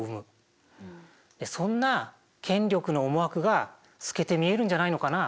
そんな権力の思惑が透けて見えるんじゃないのかな。